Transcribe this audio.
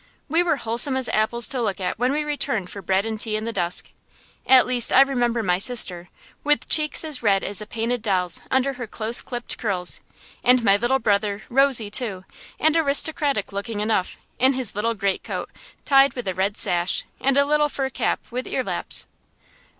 We were wholesome as apples to look at when we returned for bread and tea in the dusk; at least I remember my sister, with cheeks as red as a painted doll's under her close clipped curls; and my little brother, rosy, too, and aristocratic looking enough, in his little greatcoat tied with a red sash, and little fur cap with earlaps.